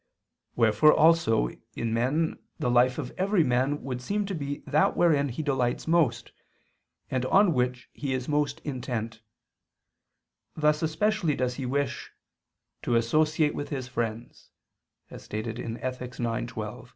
Wherefore also in men the life of every man would seem to be that wherein he delights most, and on which he is most intent; thus especially does he wish "to associate with his friends" (Ethic. ix, 12).